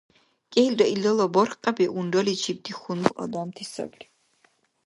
КӀелра илала бархкьяби унраличибти хьунул адамти сабри.